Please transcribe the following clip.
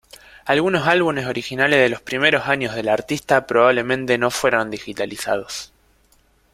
Algunos álbumes originales de los primeros años de la artista, probablemente no fueron digitalizados.